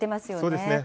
そうですね。